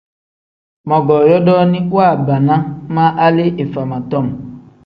Mogoo yodooni waabana ma hali ifama tom.